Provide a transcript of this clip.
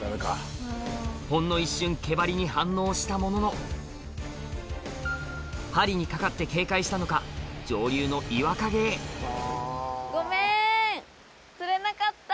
ほんの一瞬毛鉤に反応したものの針に掛かって警戒したのか上流の岩陰へ釣れなかった。